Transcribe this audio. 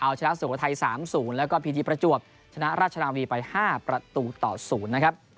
เอาชนะสุโขทัย๓๐แล้วก็พีทีประจวบชนะราชนาวีไป๕ประตูต่อ๐นะครับ